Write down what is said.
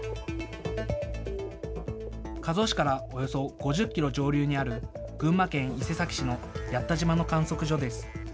加須市からおよそ５０キロ上流にある群馬県伊勢崎市の八斗島の観測所です。